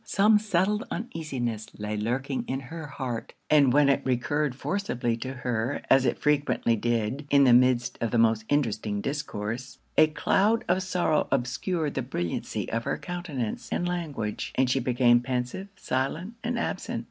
Some settled uneasiness lay lurking in her heart; and when it recurred forcibly to her, as it frequently did in the midst of the most interesting discourse, a cloud of sorrow obscured the brilliancy of her countenance and language, and she became pensive, silent, and absent.